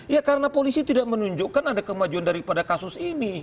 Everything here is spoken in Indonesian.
ya karena polisi tidak menunjukkan ada kemajuan daripada kasus ini